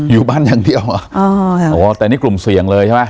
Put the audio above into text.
อยู่บ้านอย่างเดียวอ๋อแต่นี่กลุ่มเสี่ยงเลยใช่ไหม